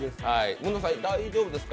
むのさん大丈夫ですか？